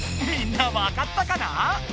みんなわかったかな？